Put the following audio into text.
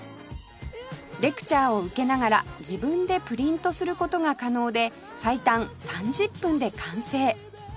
レクチャーを受けながら自分でプリントする事が可能で最短３０分で完成